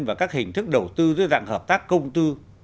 và các hình thức đầu tư dưới dạng hợp tác công tư